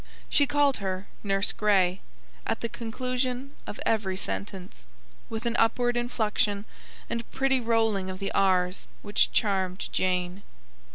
She called her "Nurse Gray" at the conclusion of every sentence, with an upward inflection and pretty rolling of the r's, which charmed Jane.